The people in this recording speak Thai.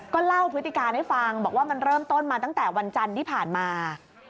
ก็เล่าพฤติการให้ฟังบอกว่ามันเริ่มต้นมาตั้งแต่วันจันทร์ที่ผ่านมา